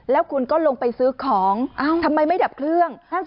แล้วคุณก็ลงไปซื้อของทำไมไม่ดับเครื่อง